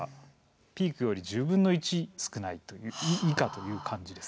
ピークより１０分の１以下という数字です。